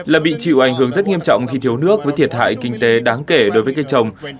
là bị chịu ảnh hưởng rất nghiêm trọng khi thiếu nước với thiệt hại kinh tế đáng kể đối với cây trồng